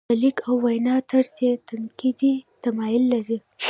د لیک او وینا طرز یې تنقیدي تمایل لري.